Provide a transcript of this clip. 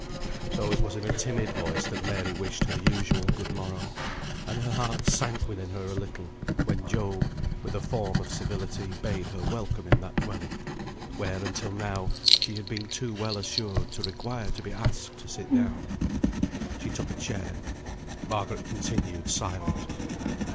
So it was in a timid voice that Mary wished her usual good morrow, and her heart sank within her a little, when Job, with a form of civility, bade her welcome in that dwelling, where, until now, she had been too well assured to require to be asked to sit down. She took a chair. Margaret continued silent.